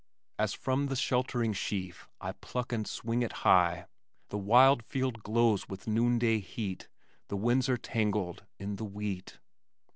As from the sheltering sheaf I pluck and swing it high, the wide Field glows with noon day heat, The winds are tangled in the wheat.